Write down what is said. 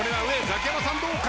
ザキヤマさんどうか？